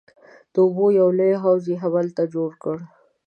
د اوبو یو لوی حوض یې هم هلته جوړ کړ.